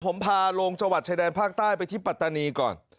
ผมพาลงจังหวัดชายแดนภาคใต้ไปที่ปัตตานีก่อน